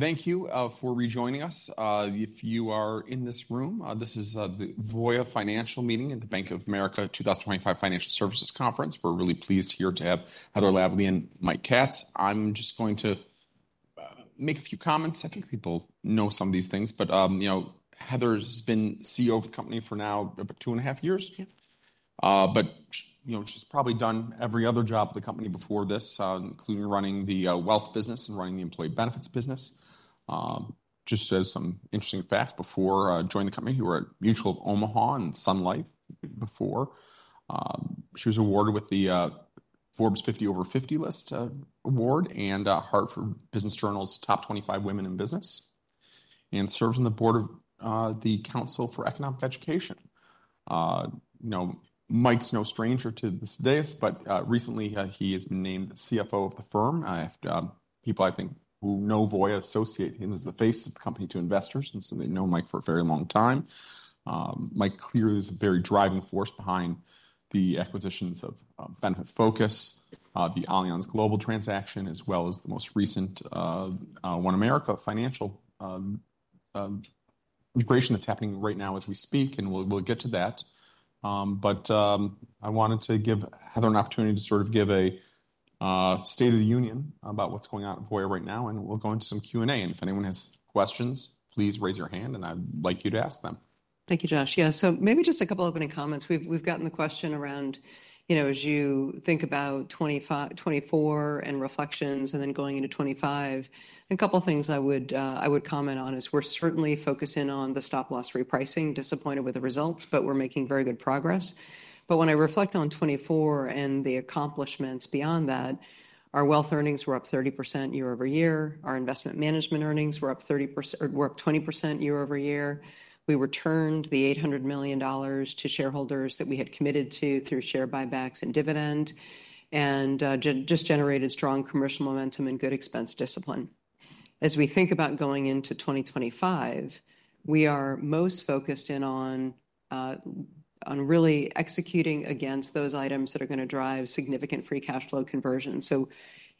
Thank you for rejoining us. If you are in this room, this is the Voya Financial meeting at the Bank of America 2025 Financial Services Conference. We're really pleased here to have Heather Lavallee and Mike Katz. I'm just going to make a few comments. I think people know some of these things, but you know Heather has been CEO of the company for now about two and a half years. Yep. But you know she's probably done every other job at the company before this, including running the wealth business and running the employee benefits business. Just as some interesting facts, before joining the company, you were at Mutual of Omaha and Sun Life before. She was awarded with the Forbes 50 over 50 list award and Hartford Business Journal's Top 25 Women in Business, and serves on the board of the Council for Economic Education. You know Mike's no stranger to these days, but recently he has been named CFO of the firm. I have people, I think, who know Voya associate him as the face of the company to investors, and so they know Mike for a very long time. Mike clearly is a very driving force behind the acquisitions of Benefitfocus, the Allianz Global transaction, as well as the most recent OneAmerica Financial integration that's happening right now as we speak, and we'll get to that, but I wanted to give Heather an opportunity to sort of give a state of the union about what's going on at Voya right now, and we'll go into some Q&A, and if anyone has questions, please raise your hand, and I'd like you to ask them. Thank you, Josh. Yeah, so maybe just a couple opening comments. We've gotten the question around, you know, as you think about 2024 and reflections and then going into 2025, a couple of things I would comment on is we're certainly focusing on the stop-loss repricing, disappointed with the results, but we're making very good progress. But when I reflect on 2024 and the accomplishments beyond that, our wealth earnings were up 30% year over year. Our investment management earnings were up 20% year over year. We returned the $800 million to shareholders that we had committed to through share buybacks and dividend and just generated strong commercial momentum and good expense discipline. As we think about going into 2025, we are most focused in on really executing against those items that are going to drive significant free cash flow conversion. So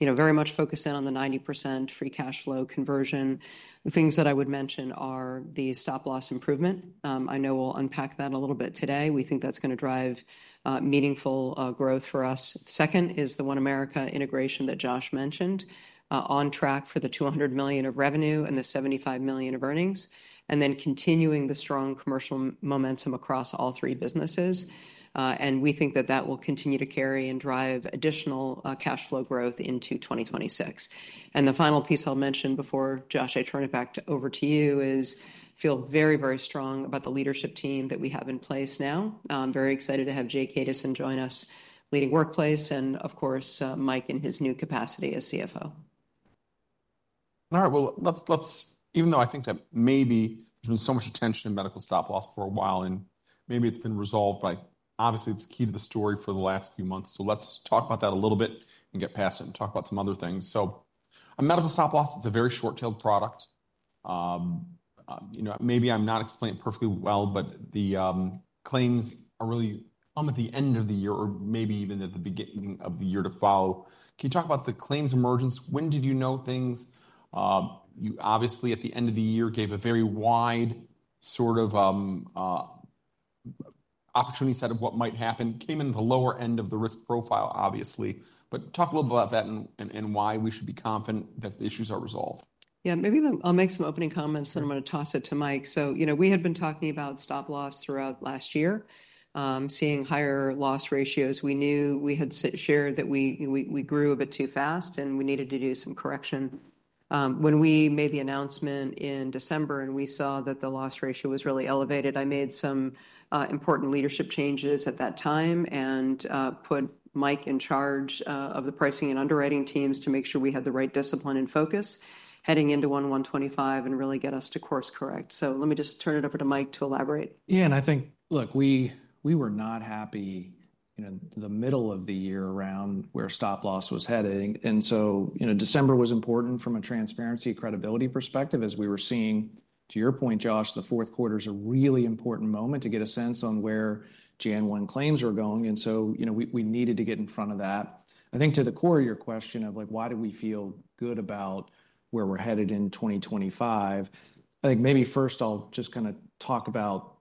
very much focused in on the 90% free cash flow conversion. The things that I would mention are the stop-loss improvement. I know we'll unpack that a little bit today. We think that's going to drive meaningful growth for us. Second is the OneAmerica integration that Josh mentioned, on track for the $200 million of revenue and the $75 million of earnings, and then continuing the strong commercial momentum across all three businesses. We think that that will continue to carry and drive additional cash flow growth into 2026. The final piece I'll mention before I turn it back over to you, Josh, is I feel very, very strong about the leadership team that we have in place now. I'm very excited to have Jay Kaduson join us leading Workplace Solutions and, of course, Mike in his new capacity as CFO. All right, well, let's, even though I think that maybe there's been so much attention to Medical stop-loss for a while and maybe it's been resolved, but obviously it's key to the story for the last few months, so let's talk about that a little bit and get past it and talk about some other things, so a Medical stop-loss, it's a very short-tailed product. Maybe I'm not explaining it perfectly well, but the claims really come at the end of the year or maybe even at the beginning of the year to follow. Can you talk about the claims emergence? When did you know things? You obviously at the end of the year gave a very wide sort of opportunity set of what might happen, came in the lower end of the risk profile, obviously. But talk a little bit about that and why we should be confident that the issues are resolved. Yeah, maybe I'll make some opening comments and I'm going to toss it to Mike. So you know we had been talking about stop-loss throughout last year, seeing higher loss ratios. We knew we had shared that we grew a bit too fast and we needed to do some correction. When we made the announcement in December and we saw that the loss ratio was really elevated, I made some important leadership changes at that time and put Mike in charge of the pricing and underwriting teams to make sure we had the right discipline and focus heading into 2025 and really get us to course correct. So let me just turn it over to Mike to elaborate. Yeah, and I think, look, we were not happy in the middle of the year around where stop-loss was heading and so December was important from a transparency credibility perspective, as we were seeing, to your point, Josh, the Q4 is a really important moment to get a sense on where Jan 1 claims are going and so we needed to get in front of that. I think to the core of your question of why do we feel good about where we're headed in 2025. I think maybe first I'll just kind of talk about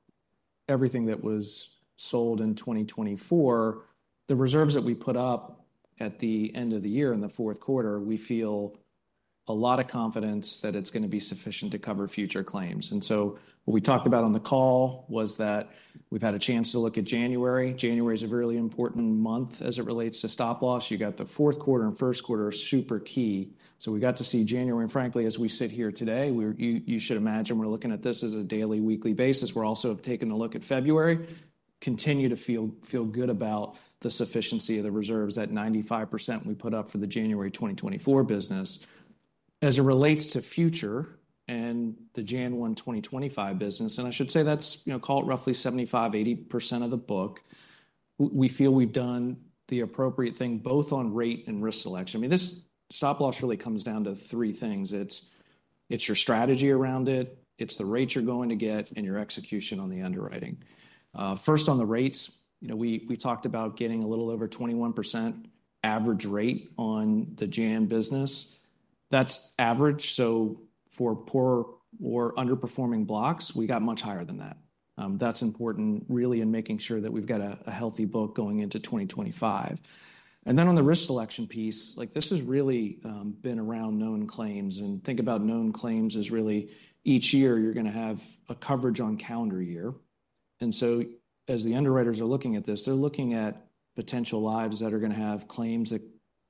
everything that was sold in 2024. The reserves that we put up at the end of the year in the Q4, we feel a lot of confidence that it's going to be sufficient to cover future claims. What we talked about on the call was that we've had a chance to look at January. January is a really important month as it relates to stop-loss. You got the Q4 and first quarter are super key. We got to see January, and frankly, as we sit here today, you should imagine we're looking at this as a daily, weekly basis. We're also taking a look at February, continue to feel good about the sufficiency of the reserves at 95% we put up for the January 2024 business as it relates to future and the Jan 1 2025 business. I should say that's call it roughly 75%-80% of the book. We feel we've done the appropriate thing both on rate and risk selection. I mean, this stop-loss really comes down to three things. It's your strategy around it, it's the rate you're going to get, and your execution on the underwriting. First, on the rates, we talked about getting a little over 21% average rate on the Gen business. That's average. So for poor or underperforming blocks, we got much higher than that. That's important really in making sure that we've got a healthy book going into 2025. And then on the risk selection piece, this has really been around known claims. And think about known claims as really each year you're going to have a coverage on calendar year. And so as the underwriters are looking at this, they're looking at potential lives that are going to have claims that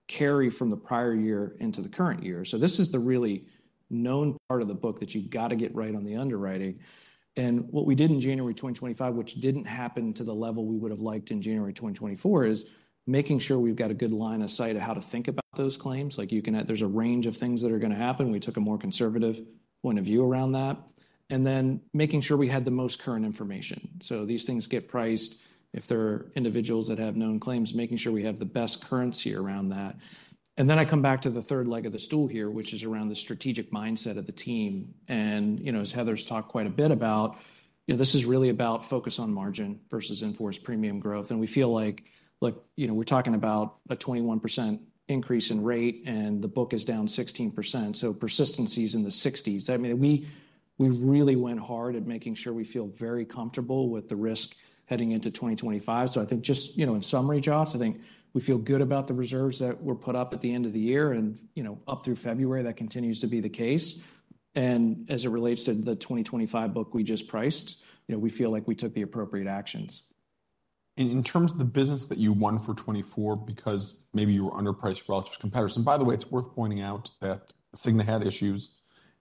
carry from the prior year into the current year. So this is the really known part of the book that you've got to get right on the underwriting. And what we did in January 2025, which didn't happen to the level we would have liked in January 2024, is making sure we've got a good line of sight of how to think about those claims. There's a range of things that are going to happen. We took a more conservative point of view around that. And then making sure we had the most current information. So these things get priced if they're individuals that have known claims, making sure we have the best currency around that, and then I come back to the third leg of the stool here, which is around the strategic mindset of the team, and as Heather's talked quite a bit about, this is really about focus on margin versus in-force premium growth. And we feel like we're talking about a 21% increase in rate, and the book is down 16%. Persistency is in the 60s. I mean, we really went hard at making sure we feel very comfortable with the risk heading into 2025. I think just in summary, Josh, I think we feel good about the reserves that were put up at the end of the year and up through February. That continues to be the case. As it relates to the 2025 book we just priced, we feel like we took the appropriate actions. In terms of the business that you won for 2024, because maybe you were underpriced relative to competitors. And by the way, it's worth pointing out that Cigna had issues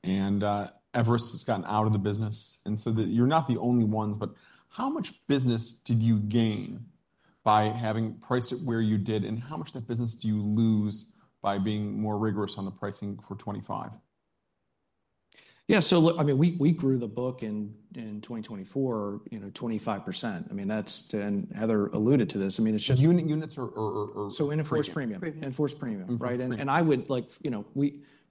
and Everest has gotten out of the business. And so you're not the only ones, but how much business did you gain by having priced it where you did? And how much of that business do you lose by being more rigorous on the pricing for 2025? Yeah, so look, I mean, we grew the book in 2024, 25%. I mean, that's, and Heather alluded to this. I mean, it's just. Units or premium? In-force premium. And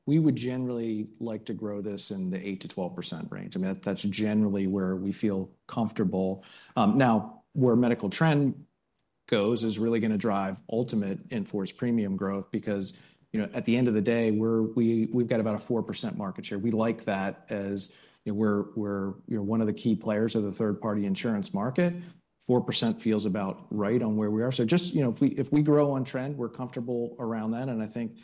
we would generally like to grow this in the 8%-12% range. I mean, that's generally where we feel comfortable. Now, where medical trend goes is really going to drive ultimate in-force premium growth because at the end of the day, we've got about a 4% market share. We like that as we're one of the key players of the third-party insurance market. 4% feels about right on where we are. So just if we grow on trend, we're comfortable around that. And I think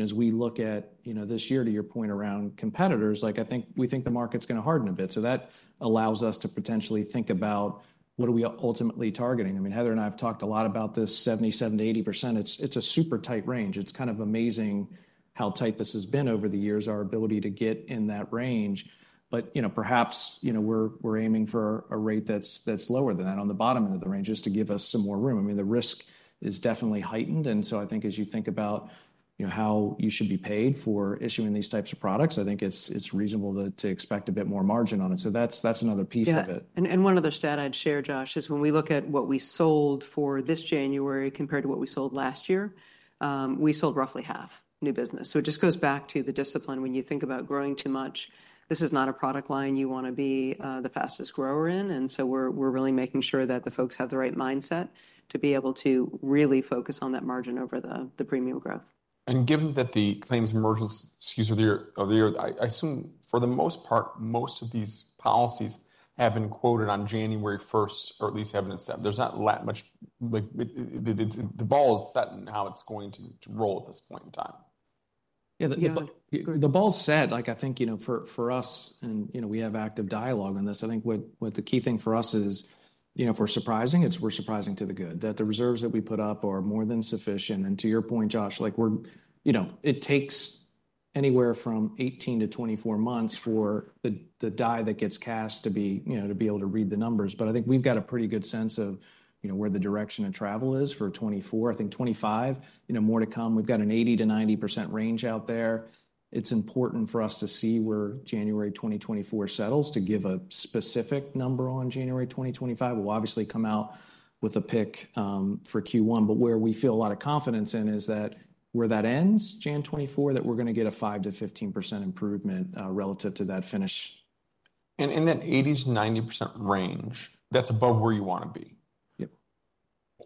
as we look at this year, to your point around competitors, I think we think the market's going to harden a bit. So that allows us to potentially think about what are we ultimately targeting. I mean, Heather and I have talked a lot about this 77 to 80%. It's a super tight range. It's kind of amazing how tight this has been over the years, our ability to get in that range. But perhaps we're aiming for a rate that's lower than that on the bottom end of the range just to give us some more room. I mean, the risk is definitely heightened. And so I think as you think about how you should be paid for issuing these types of products, I think it's reasonable to expect a bit more margin on it. So that's another piece of it. Yeah and one other stat I'd share, Josh, is when we look at what we sold for this January compared to what we sold last year, we sold roughly half new business. So it just goes back to the discipline. When you think about growing too much, this is not a product line you want to be the fastest grower in. And so we're really making sure that the folks have the right mindset to be able to really focus on that margin over the premium growth. Given that the claims emergence, excuse me, of the year, I assume the most part, most of these policies have been quoted on January 1st or at least, the ball is set in how it's going to roll at this point in time. Yeah, the bar's set. I think for us, and we have active dialogue on this, I think what the key thing for us is if we're surprising, we're surprising to the good, that the reserves that we put up are more than sufficient. And to your point, Josh, it takes anywhere from 18 to 24 months for the die that gets cast to be able to read the numbers. But I think we've got a pretty good sense of where the direction of travel is for 2024. I think 2025, more to come. We've got an 80%-90% range out there. It's important for us to see where January 2024 settles to give a specific number on January 2025. We'll obviously come out with a pick for Q1, but where we feel a lot of confidence in is that where that ends January 2024, that we're going to get a five to 15% improvement relative to that finish. In that 80 to 90% range, that's above where you want to be. Yep.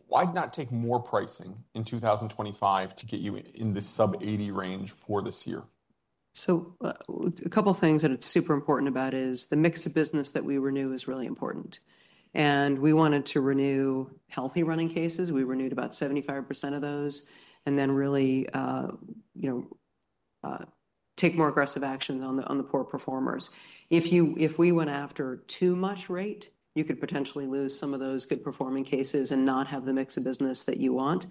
Why not take more pricing in 2025 to get you in the sub 80 range for this year? A couple of things that it's super important about is the mix of business that we renew is really important. And we wanted to renew healthy running cases. We renewed about 75% of those and then really take more aggressive action on the poor performers. If we went after too much rate, you could potentially lose some of those good performing cases and not have the mix of business that you want.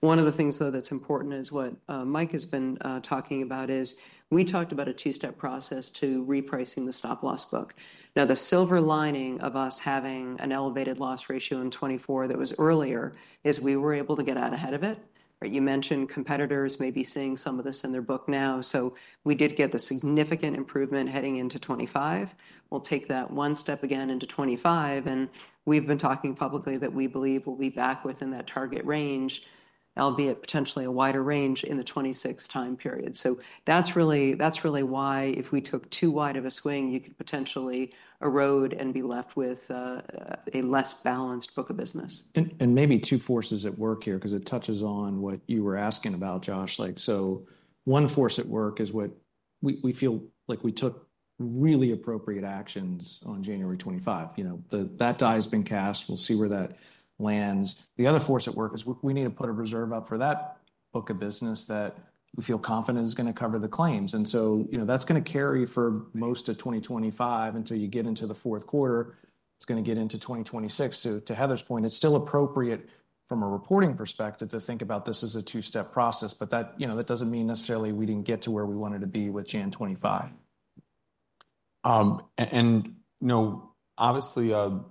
One of the things though that's important is what Mike has been talking about is we talked about a two-step process to repricing the stop-loss book. Now, the silver lining of us having an elevated loss ratio in 2024 that was earlier is we were able to get out ahead of it. You mentioned competitors may be seeing some of this in their book now. So we did get the significant improvement heading into 2025. We'll take that one step again into 2025. And we've been talking publicly that we believe we'll be back within that target range, albeit potentially a wider range in the 2026 time period. So that's really why if we took too wide of a swing, you could potentially erode and be left with a less balanced book of business. And maybe two forces at work here because it touches on what you were asking about, Josh. So one force at work is what we feel like we took really appropriate actions on January 2025. That die has been cast. We'll see where that lands. The other force at work is we need to put a reserve up for that book of business that we feel confident is going to cover the claims. And so that's going to carry for most of 2025 until you get into the fourth quarter. It's going to get into 2026. To Heather's point, it's still appropriate from a reporting perspective to think about this as a two-step process, but that doesn't mean necessarily we didn't get to where we wanted to be with January 2025. Obviously,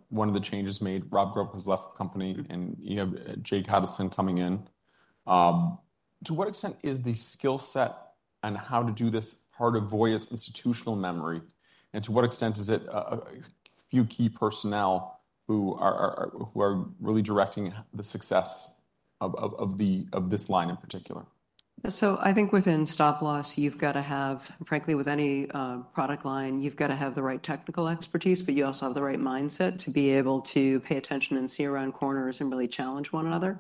one of the changes made, Rob Grove has left the company and you have Jake Hadisson coming in. To what extent is the skill set and how to do this part of Voya's institutional memory? And to what extent is it a few key personnel who are really directing the success of this line in particular? So I think within stop-loss, you've got to have, frankly, with any product line, you've got to have the right technical expertise, but you also have the right mindset to be able to pay attention and see around corners and really challenge one another.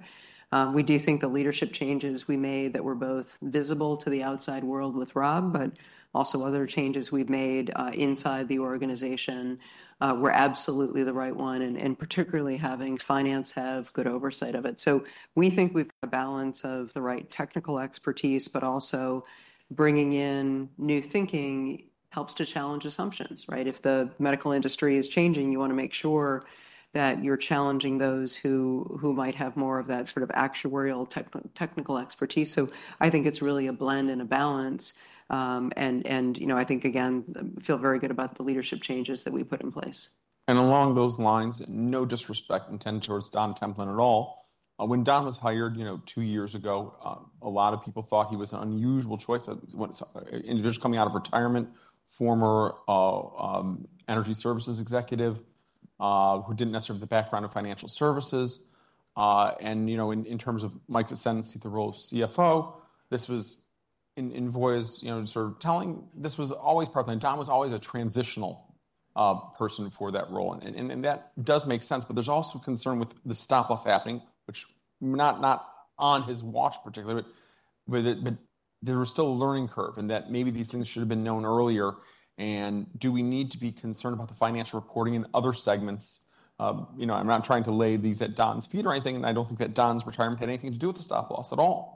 We do think the leadership changes we made that were both visible to the outside world with Rob, but also other changes we've made inside the organization were absolutely the right one, and particularly having finance have good oversight of it. So we think we've got a balance of the right technical expertise, but also bringing in new thinking helps to challenge assumptions. If the medical industry is changing, you want to make sure that you're challenging those who might have more of that sort of actuarial technical expertise. So I think it's really a blend and a balance. And I think, again, feel very good about the leadership changes that we put in place. And along those lines, no disrespect intended towards Don Templin at all. When Don was hired two years ago, a lot of people thought he was an unusual choice, an individual coming out of retirement, former energy services executive who didn't necessarily have the background of financial services. And in terms of Mike's ascendancy to the role of CFO, this was in Voya's sort of telling, this was always part of it. And Don was always a transitional person for that role. And that does make sense, but there's also concern with the stop-loss happening, which not on his watch particularly, but there was still a learning curve and that maybe these things should have been known earlier. And do we need to be concerned about the financial reporting in other segments? I'm not trying to lay these at Don's feet or anything, and I don't think that Don's retirement had anything to do with the stop-loss at all.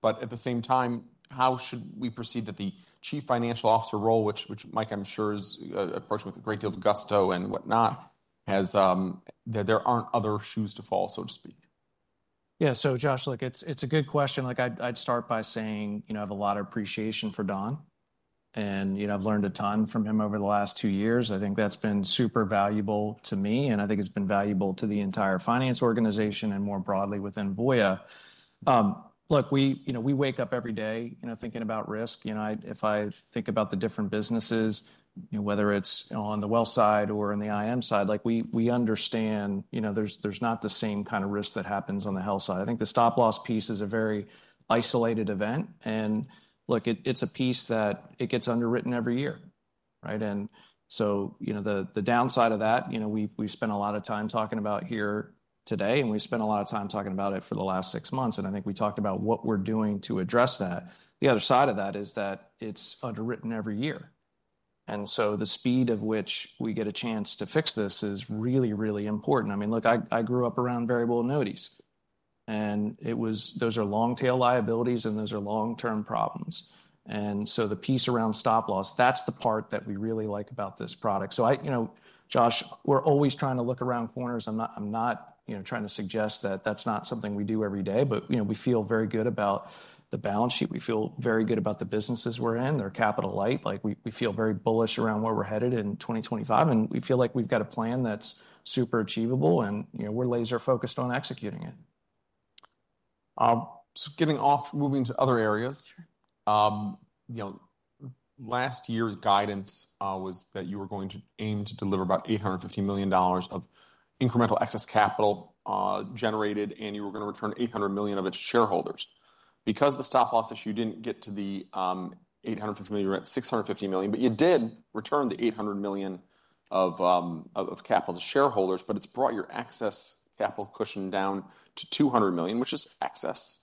But at the same time, how should we proceed that the chief financial officer role, which Mike, I'm sure, is approaching with a great deal of gusto and whatnot, that there aren't other shoes to fall, so to speak? Yeah. So Josh, look, it's a good question. I'd start by saying I have a lot of appreciation for Don. And I've learned a ton from him over the last two years. I think that's been super valuable to me, and I think it's been valuable to the entire finance organization and more broadly within Voya. Look, we wake up every day thinking about risk. If I think about the different businesses, whether it's on the wealth side or in the IM side, we understand there's not the same kind of risk that happens on the health side. I think the stop-loss piece is a very isolated event. And look, it's a piece that gets underwritten every year. And so the downside of that, we've spent a lot of time talking about here today, and we've spent a lot of time talking about it for the last six months. And I think we talked about what we're doing to address that. The other side of that is that it's underwritten every year and so the speed of which we get a chance to fix this is really, really important. I mean, look, I grew up around variable annuities and those are long-tailed liabilities, and those are long-term problems. And so the piece around stop-loss, that's the part that we really like about this product. So Josh, we're always trying to look around corners. I'm not trying to suggest that that's not something we do every day, but we feel very good about the balance sheet. We feel very good about the businesses we're in. They're capital light. We feel very bullish around where we're headed in 2025, and we feel like we've got a plan that's super achievable, and we're laser-focused on executing it. So getting off, moving to other areas. Last year's guidance was that you were going to aim to deliver about $850 million of incremental excess capital generated, and you were going to return $800 million to its shareholders. Because the stop-loss issue didn't get to the $850 million, you were at $650 million, but you did return the $800 million of capital to shareholders, but it's brought your excess capital cushion down to $200 million, which is excess.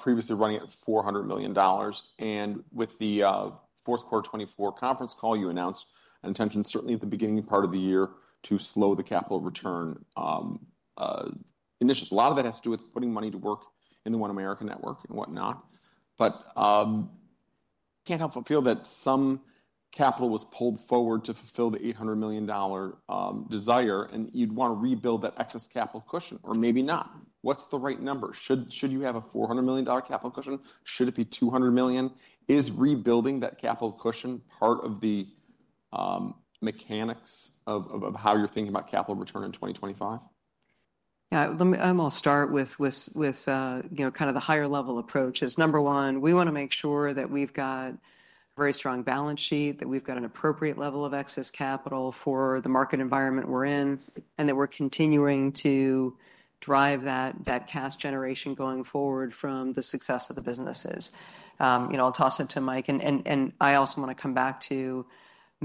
Previously running at $400 million. And with the Q4 2024 Conference Call, you announced an intention certainly at the beginning part of the year to slow the capital return initiatives. A lot of that has to do with putting money to work in OneAmerica network and whatnot. But can't help but feel that some capital was pulled forward to fulfill the $800 million desire, and you'd want to rebuild that excess capital cushion or maybe not. What's the right number? Should you have a $400 million capital cushion? Should it be $200 million? Is rebuilding that capital cushion part of the mechanics of how you're thinking about capital return in 2025? Yeah, I'm going to start with kind of the higher-level approach. As number one, we want to make sure that we've got a very strong balance sheet, that we've got an appropriate level of excess capital for the market environment we're in, and that we're continuing to drive that cash generation going forward from the success of the businesses. I'll toss it to Mike. And I also want to come back to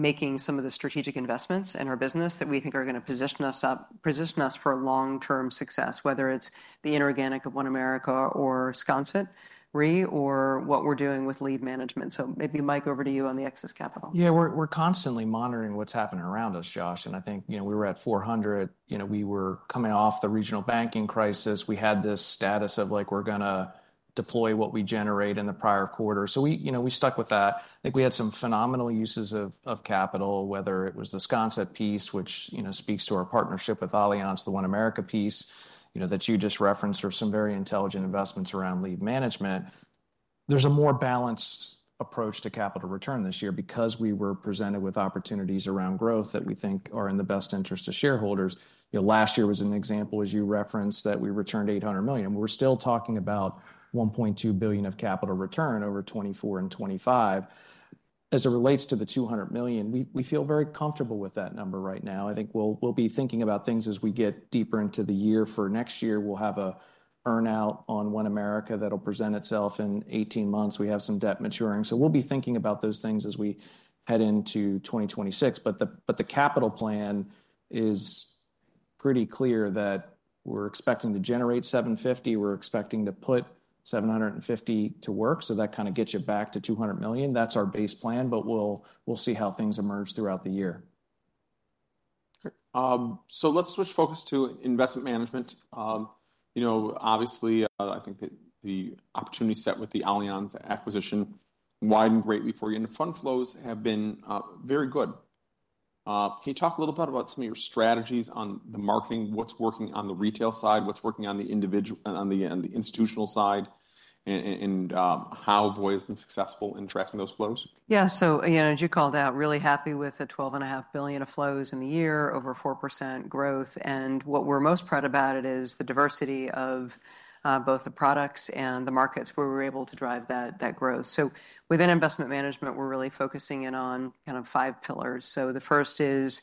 making some of the strategic investments in our business that we think are going to position us for long-term success, whether it's the inorganic of OneAmerica or Sconset Re or what we're doing with Leave Management. So maybe Mike, over to you on the excess capital. Yeah, we're constantly monitoring what's happening around us, Josh, and I think we were at 400, we were coming off the regional banking crisis. We had this status of we're going to deploy what we generate in the prior quarter. So we stuck with that. I think we had some phenomenal uses of capital, whether it was the Sconset piece, which speaks to our partnership with Allianz, OneAmerica piece that you just referenced, or some very intelligent investments around Leave management. There's a more balanced approach to capital return this year because we were presented with opportunities around growth that we think are in the best interest of shareholders. Last year was an example, as you referenced, that we returned $800 million. We're still talking about $1.2 billion of capital return over 2024 and 2025. As it relates to the $200 million, we feel very comfortable with that number right now. I think we'll be thinking about things as we get deeper into the year. For next year, we'll have an earnout on OneAmerica that'll present itself in 18 months. We have some debt maturing. So we'll be thinking about those things as we head into 2026. But the capital plan is pretty clear that we're expecting to generate $750. We're expecting to put 750 to work. So that kind of gets you back to $200 million. That's our base plan, but we'll see how things emerge throughout the year. So let's switch focus to investment management. Obviously, I think the opportunity set with the Allianz acquisition widened greatly for you, and the fund flows have been very good. Can you talk a little bit about some of your strategies on the marketing, what's working on the retail side, what's working on the institutional side, and how Voya has been successful in tracking those flows? Yeah. So again, as you called out, really happy with the $12.5 billion of flows in the year, over 4% growth and what we're most proud about is the diversity of both the products and the markets where we're able to drive that growth. So within investment management, we're really focusing in on kind of five pillars. So the first is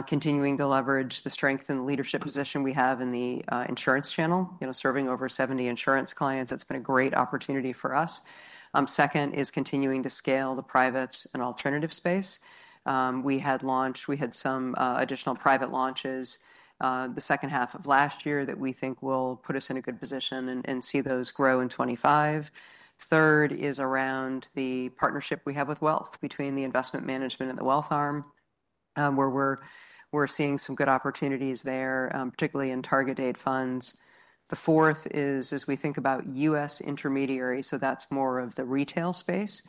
continuing to leverage the strength and leadership position we have in the insurance channel, serving over 70 insurance clients. That's been a great opportunity for us. Second is continuing to scale the private and alternative space. We had launched, we had some additional private launches the second half of last year that we think will put us in a good position and see those grow in 2025. Third is around the partnership we have with wealth between the investment management and the wealth Arm, where we're seeing some good opportunities there, particularly in target date funds. The fourth is, as we think about US intermediary, so that's more of the retail space.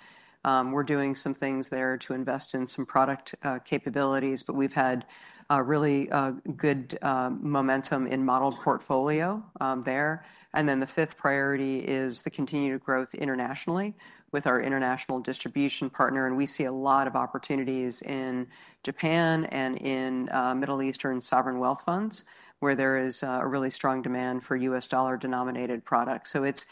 We're doing some things there to invest in some product capabilities, but we've had really good momentum in modeled portfolio there and then the fifth priority is the continued growth internationally with our international distribution partner. And we see a lot of opportunities in Japan and in Middle Eastern sovereign wealth funds, where there is a really strong demand for U.S. dollar-denominated products. So it's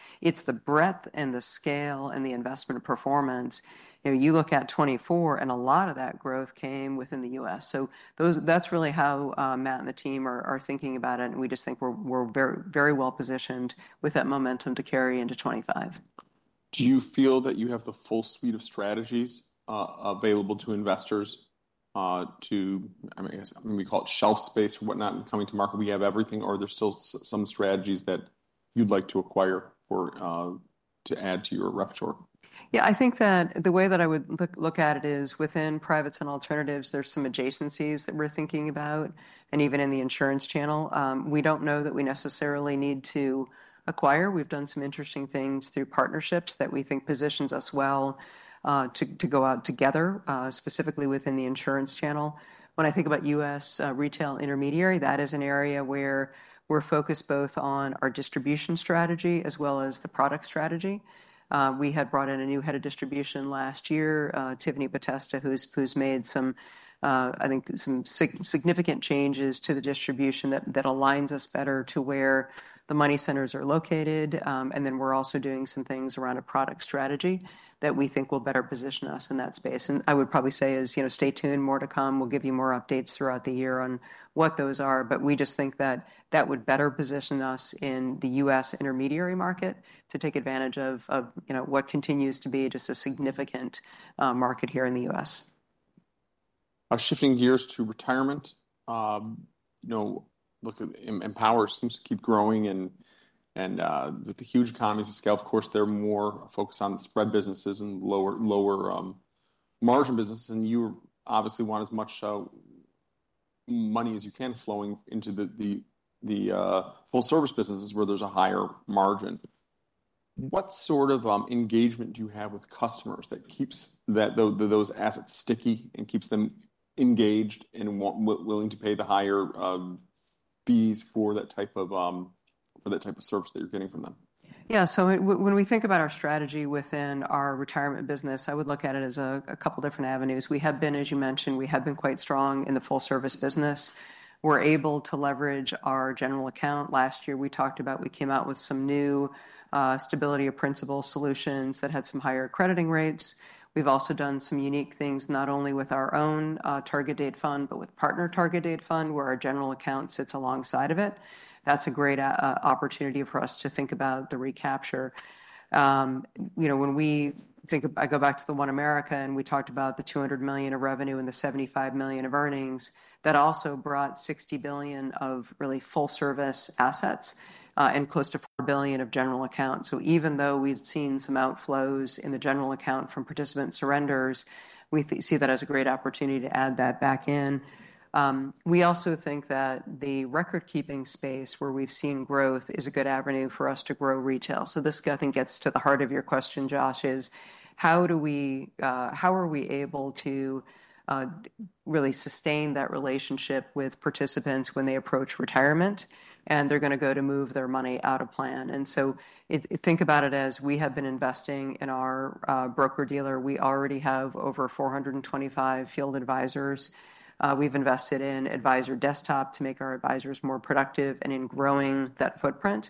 the breadth and the scale and the investment performance. You look at 2024, and a lot of that growth came within the US, so that's really how Matt and the team are thinking about it. We just think we're very well positioned with that momentum to carry into 2025. Do you feel that you have the full suite of strategies available to investors to, I guess, we call it shelf space or whatnot when coming to market? We have everything, or are there still some strategies that you'd like to acquire to add to your repertoire? Yeah, I think that the way that I would look at it is within privates and alternatives, there's some adjacencies that we're thinking about, and even in the insurance channel, we don't know that we necessarily need to acquire. We've done some interesting things through partnerships that we think positions us well to go out together, specifically within the insurance channel. When I think about US retail intermediary, that is an area where we're focused both on our distribution strategy as well as the product strategy. We had brought in a new head of distribution last year, Tiffani Potesta, who's made some, I think, some significant changes to the distribution that aligns us better to where the money centers are located. And then we're also doing some things around a product strategy that we think will better position us in that space. And I would probably say is, stay tuned, more to come. We'll give you more updates throughout the year on what those are, but we just think that that would better position us in the US intermediary market to take advantage of what continues to be just a significant market here in the US. I'm shifting gears to retirement. Look, Empower seems to keep growing, and with the huge economies of scale, of course, they're more focused on the spread businesses and lower margin businesses, and you obviously want as much money as you can flowing into the full-service businesses where there's a higher margin. What sort of engagement do you have with customers that keeps those assets sticky and keeps them engaged and willing to pay the higher fees for that type of service that you're getting from them? Yeah. So when we think about our strategy within our retirement business, I would look at it as a couple of different avenues. We have been, as you mentioned, we have been quite strong in the full-service business. We're able to leverage our general account. Last year, we talked about we came out with some new stability of principal solutions that had some higher crediting rates. We've also done some unique things, not only with our own target date fund, but with partner target date fund, where our general account sits alongside of it. That's a great opportunity for us to think about the recapture. When we think, I go back to OneAmerica, and we talked about the $200 million of revenue and the $75 million of earnings, that also brought $60 billion of really full-service assets and close to $4 billion of general accounts. So even though we've seen some outflows in the general account from participant surrenders, we see that as a great opportunity to add that back in. We also think that the record-keeping space where we've seen growth is a good avenue for us to grow retail. So this, I think, gets to the heart of your question, Josh, is how are we able to really sustain that relationship with participants when they approach retirement and they're going to go to move their money out of plan? And so think about it as we have been investing in our broker-dealer. We already have over 425 field advisors. We've invested in advisor desktop to make our advisors more productive and in growing that footprint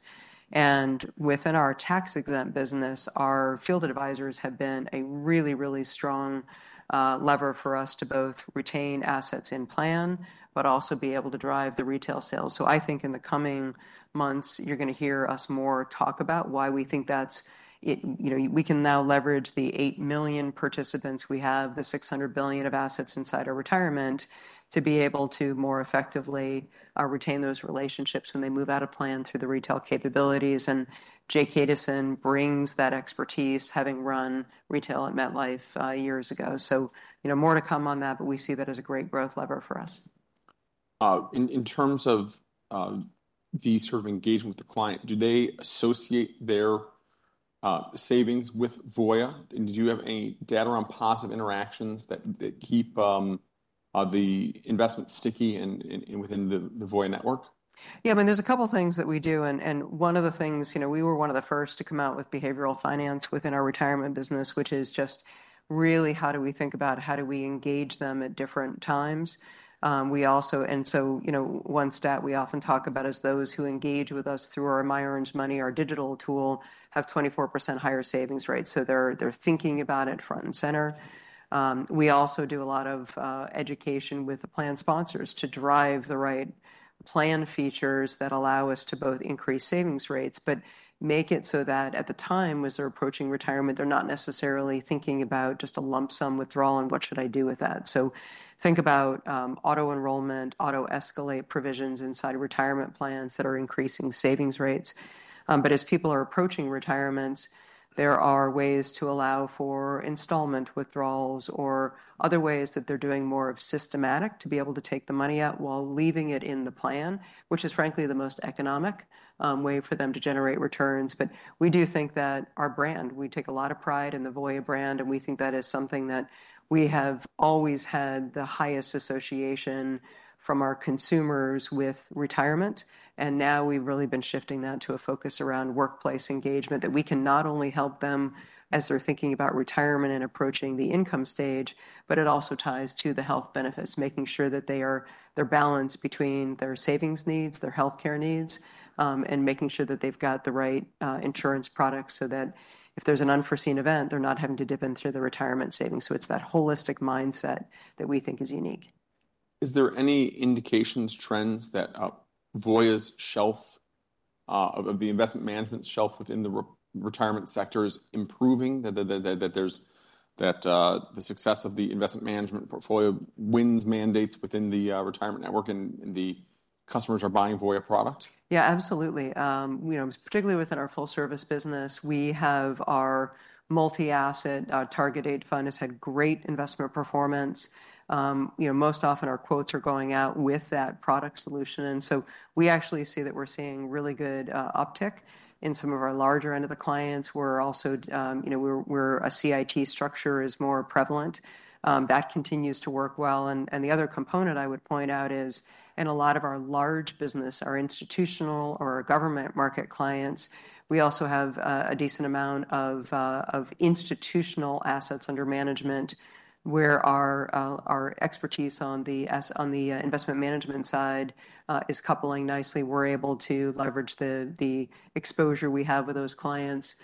and within our tax-exempt business, our field advisors have been a really, really strong lever for us to both retain assets in plan, but also be able to drive the retail sales. So I think in the coming months, you're going to hear us more talk about why we think that's we can now leverage the eight million participants we have, the $600 billion of assets inside our retirement to be able to more effectively retain those relationships when they move out of plan through the retail capabilities. And Jay Kaduson brings that expertise, having run retail at MetLife years ago. So more to come on that, but we see that as a great growth lever for us. In terms of the sort of engagement with the client, do they associate their savings with Voya? And do you have any data on positive interactions that keep the investment sticky within the Voya network? Yeah, I mean, there's a couple of things that we do, and one of the things, we were one of the first to come out with behavioral finance within our retirement business, which is just really how do we think about how do we engage them at different times. And so one stat we often talk about is those who engage with us through our myOrangeMoney, our digital tool, have 24% higher savings rates. So they're thinking about it front and center. We also do a lot of education with the plan sponsors to drive the right plan features that allow us to both increase savings rates, but make it so that at the time when they're approaching retirement, they're not necessarily thinking about just a lump sum withdrawal and what should I do with that? So think about auto-enrollment, auto-escalate provisions inside retirement plans that are increasing savings rates. But as people are approaching retirements, there are ways to allow for installment withdrawals or other ways that they're doing more of systematic to be able to take the money out while leaving it in the plan, which is frankly the most economic way for them to generate returns. But we do think that our brand, we take a lot of pride in the Voya brand, and we think that is something that we have always had the highest association from our consumers with retirement. Now we've really been shifting that to a focus around workplace engagement that we can not only help them as they're thinking about retirement and approaching the income stage, but it also ties to the health benefits, making sure that they are balanced between their savings needs, their healthcare needs, and making sure that they've got the right insurance products so that if there's an unforeseen event, they're not having to dip into the retirement savings. So it's that holistic mindset that we think is unique. Is there any indications, trends that Voya's shelf, of the investment management shelf within the retirement sector is improving, that the success of the investment management portfolio wins mandates within the retirement network and the customers are buying Voya product? Yeah, absolutely. Particularly within our full-service business, we have our multi-asset target date fund has had great investment performance. Most often our quotes are going out with that product solution and so we actually see that we're seeing really good uptick in some of our larger end of the clients. We're also, where a CIT structure is more prevalent. That continues to work well. And the other component I would point out is, in a lot of our large business, our institutional or government market clients, we also have a decent amount of institutional assets under management where our expertise on the investment management side is coupling nicely. We're able to leverage the exposure we have with those clients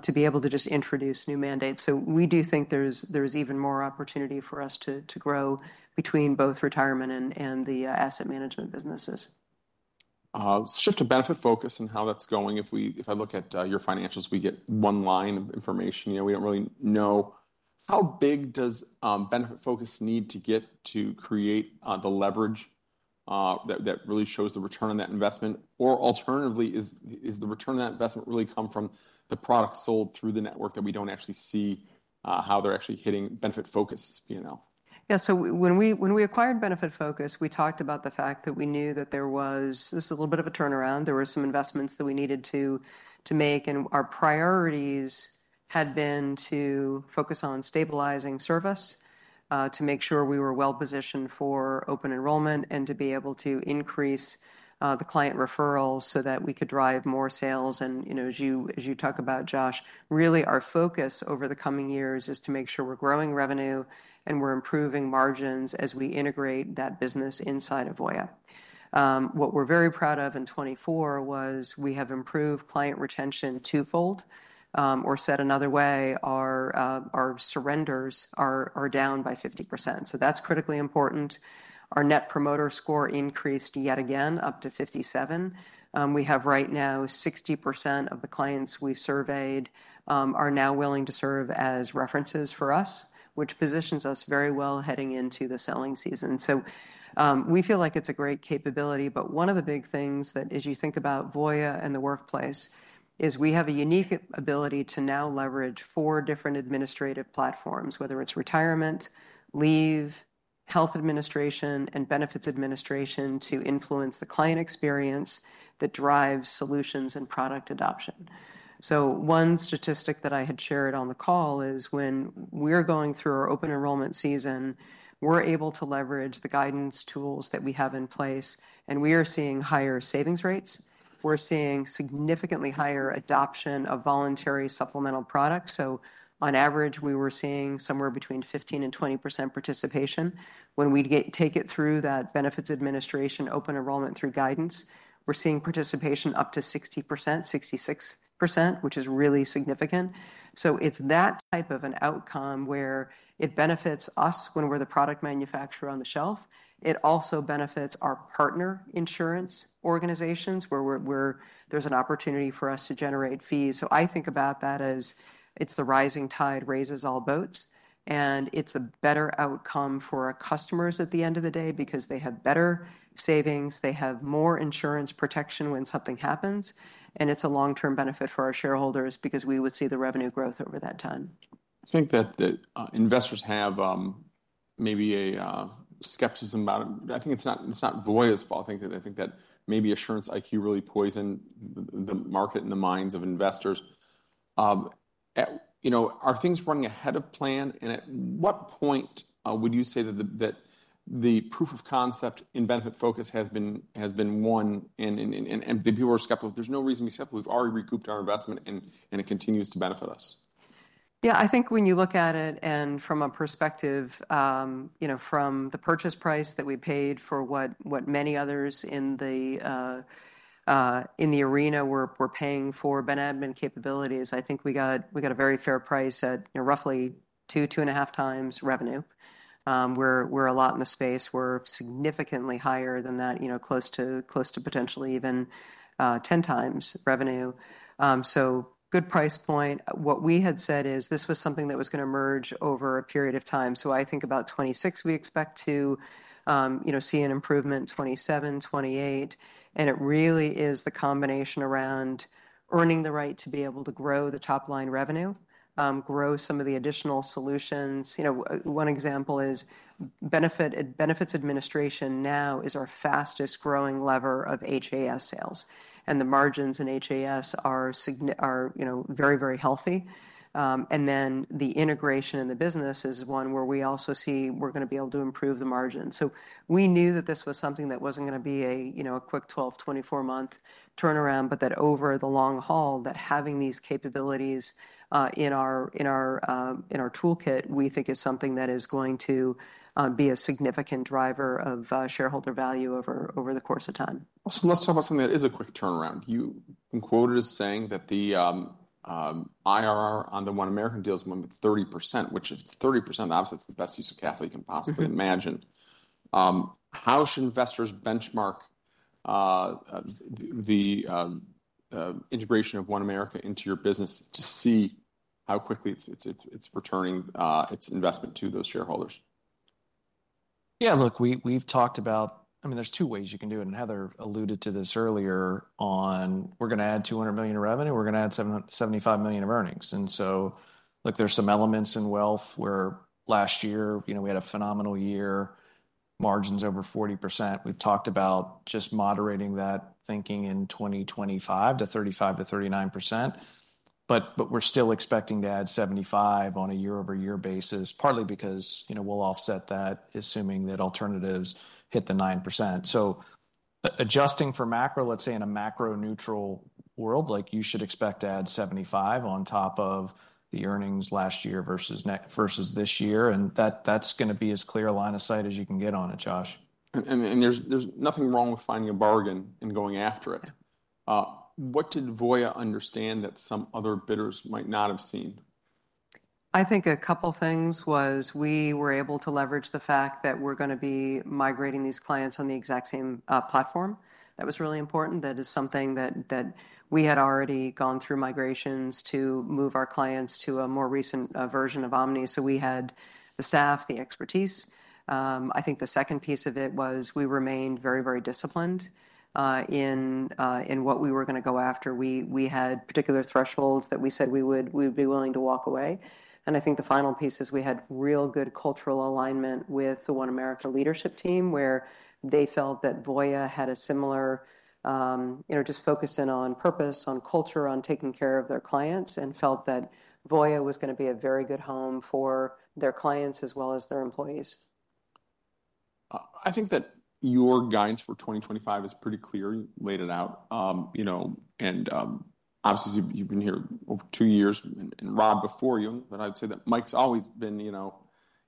to be able to just introduce new mandates. So we do think there's even more opportunity for us to grow between both retirement and the asset management businesses. Let's shift to Benefitfocus and how that's going. If I look at your financials, we get one line of information. We don't really know how big does Benefitfocus need to get to create the leverage that really shows the return on that investment? Or alternatively, is the return on that investment really come from the product sold through the network that we don't actually see how they're actually hitting Benefitfocus P&L? Yeah. So when we acquired Benefitfocus, we talked about the fact that we knew that there was this, a little bit of a turnaround. There were some investments that we needed to make. Our priorities had been to focus on stabilizing service to make sure we were well positioned for open enrollment and to be able to increase the client referrals so that we could drive more sales. As you talk about, Josh, really our focus over the coming years is to make sure we're growing revenue and we're improving margins as we integrate that business inside of Voya. What we're very proud of in 2024 was we have improved client retention twofold, or said another way, our surrenders are down by 50%. That's critically important. Our Net Promoter Score increased yet again up to 57. We have right now 60% of the clients we've surveyed are now willing to serve as references for us, which positions us very well heading into the selling season. So we feel like it's a great capability. But one of the big things that, as you think about Voya and the workplace, is we have a unique ability to now leverage four different administrative platforms, whether it's retirement, leave, health administration, and benefits administration to influence the client experience that drives solutions and product adoption. So one statistic that I had shared on the call is when we're going through our open enrollment season, we're able to leverage the guidance tools that we have in place, and we are seeing higher savings rates. We're seeing significantly higher adoption of voluntary supplemental products. So on average, we were seeing somewhere between 15% to 20% participation. When we take it through that benefits administration, open enrollment through guidance, we're seeing participation up to 60%, 66%, which is really significant. So it's that type of an outcome where it benefits us when we're the product manufacturer on the shelf. It also benefits our partner insurance organizations where there's an opportunity for us to generate fees. So I think about that as it's the rising tide raises all boats. And it's a better outcome for our customers at the end of the day because they have better savings. They have more insurance protection when something happens. And it's a long-term benefit for our shareholders because we would see the revenue growth over that time. I think that investors have maybe a skepticism about it. I think it's not Voya's fault. I think that maybe Assurance IQ really poisoned the market and the minds of investors. Are things running ahead of plan, and at what point would you say that the proof of concept in Benefitfocus has been won and that people are skeptical. There's no reason to be skeptical. We've already recouped our investment, and it continues to benefit us. Yeah, I think when you look at it and from a perspective from the purchase price that we paid for what many others in the arena were paying for benefits admin capabilities, I think we got a very fair price at roughly two, two and a half times revenue. We're a lot in the space. We're significantly higher than that, close to potentially even 10 times revenue. So good price point. What we had said is this was something that was going to merge over a period of time. So I think about 2026 we expect to see an improvement, 2027, 2028. And it really is the combination around earning the right to be able to grow the top line revenue, grow some of the additional solutions. One example is benefits administration now is our fastest growing lever of HAAS sales. And the margins in HAAS are very, very healthy and then the integration in the business is one where we also see we're going to be able to improve the margins. So we knew that this was something that wasn't going to be a quick 12, 24-month turnaround, but that over the long haul that having these capabilities in our toolkit, we think is something that is going to be a significant driver of shareholder value over the course of time. So let's talk about something that is a quick turnaround. You quoted as saying that the IRR on the OneAmerica deal is more than 30%, which if it's 30%, obviously it's the best use of capital you can possibly imagine. How should investors benchmark the integration of OneAmerica into your business to see how quickly it's returning its investment to those shareholders? Yeah, look, we've talked about, I mean, there's two ways you can do it. And Heather alluded to this earlier on, we're going to add $200 million of revenue, we're going to add $75 million of earnings. And so look, there's some elements in wealth where last year we had a phenomenal year, margins over 40%. We've talked about just moderating that thinking in 2025 to 35% to 39%. But we're still expecting to add $75 million on a year-over-year basis, partly because we'll offset that assuming that alternatives hit the 9%. So adjusting for macro, let's say in a macro-neutral world, like you should expect to add $75 million on top of the earnings last year versus this year. And that's going to be as clear a line of sight as you can get on it, Josh. And there's nothing wrong with finding a bargain and going after it. What did Voya understand that some other bidders might not have seen? I think a couple of things was we were able to leverage the fact that we're going to be migrating these clients on the exact same platform. That was really important. That is something that we had already gone through migrations to move our clients to a more recent version of Omni. So we had the staff, the expertise. I think the second piece of it was we remained very, very disciplined in what we were going to go after. We had particular thresholds that we said we would be willing to walk away. I think the final piece is we had real good cultural alignment with the OneAmerica leadership team where they felt that Voya had a similar just focus in on purpose, on culture, on taking care of their clients and felt that Voya was going to be a very good home for their clients as well as their employees. I think that your guidance for 2025 is pretty clear. You laid it out, and obviously, you've been here over two years and Rob before you, but I'd say that Mike's always been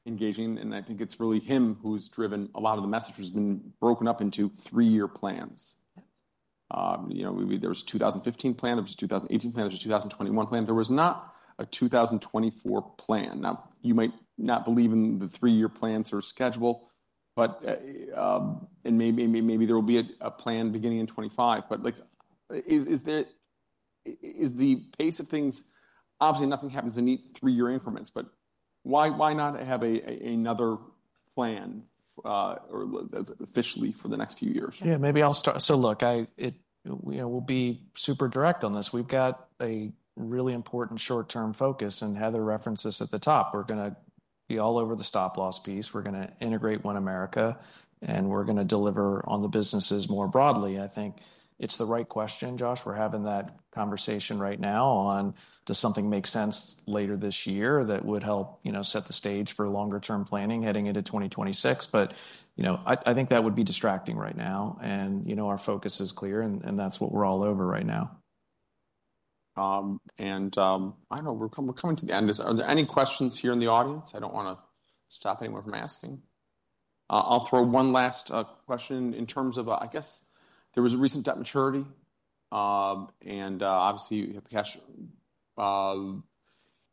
engaging, and I think it's really him who's driven a lot of the message has been broken up into three-year plans. There was a 2015 plan, there was a 2018 plan, there was a 2021 plan, there was not a 2024 plan. Now, you might not believe in the three-year plans or schedule, and maybe there will be a plan beginning in 2025, but is the pace of things, obviously nothing happens in three-year increments, but why not have another plan officially for the next few years. Yeah, maybe I'll start, so look, we'll be super direct on this. We've got a really important short-term focus, and Heather referenced this at the top. We're going to be all over the stop-loss piece. We're going to integrate OneAmerica, and we're going to deliver on the businesses more broadly. I think it's the right question, Josh. We're having that conversation right now on does something make sense later this year that would help set the stage for longer-term planning heading into 2026. But I think that would be distracting right now, and our focus is clear, and that's what we're all over right now. I don't know we're coming to the end. Are there any questions here in the audience? I don't want to stop anyone from asking. I'll throw one last question in terms of, I guess there was a recent debt maturity. And obviously, you have cash.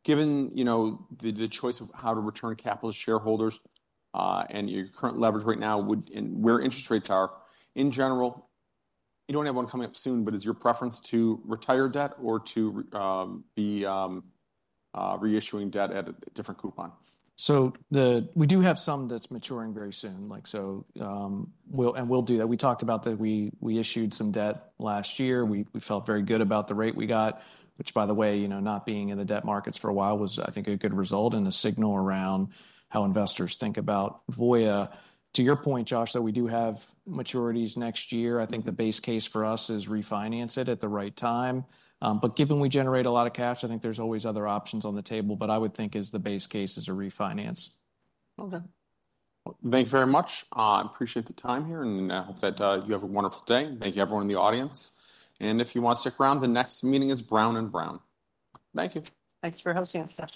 Given the choice of how to return capital to shareholders and your current leverage right now and where interest rates are in general, you don't have one coming up soon, but is your preference to retire debt or to be reissuing debt at a different coupon? So we do have some that's maturing very soon. And we'll do that. We talked about that we issued some debt last year. We felt very good about the rate we got, which by the way, not being in the debt markets for a while was, I think, a good result and a signal around how investors think about Voya. To your point, Josh, that we do have maturities next year, I think the base case for us is refinance it at the right time. But given we generate a lot of cash, I think there's always other options on the table. But I would think the base case is a refinance. Thank you very much. I appreciate the time here, and I hope that you have a wonderful day. Thank you, everyone in the audience. If you want to stick around, the next meeting is Brown & Brown. Thank you. Thanks for hosting us.